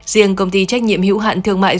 riêng công ty trách nhiệm hữu hạn thương mại